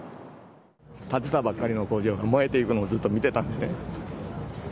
建てたばっかりの工場が燃えていくのをずっと見てたんですね。